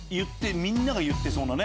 みんなが言ってそうなね。